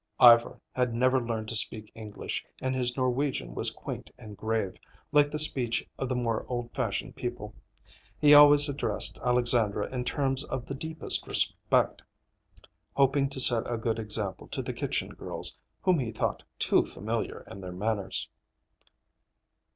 Ivar had never learned to speak English and his Norwegian was quaint and grave, like the speech of the more old fashioned people. He always addressed Alexandra in terms of the deepest respect, hoping to set a good example to the kitchen girls, whom he thought too familiar in their manners.